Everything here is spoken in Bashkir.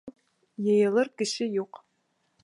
— Йыйылыр кеше юҡ.